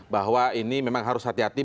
bahwa ini memang harus hati hati